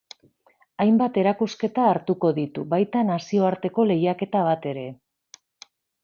Hainbat erakusketa hartuko ditu, baita nazioarteko lehiaketa bat ere.